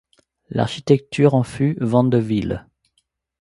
L’architecte en fut Van de Wiele.